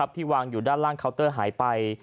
ที่วางอยู่ด้านล่างเคาน์เตอร์หายไป